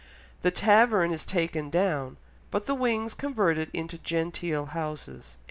The tavern is taken down, but the wings converted into genteel houses."